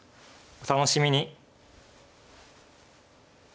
お楽しみに！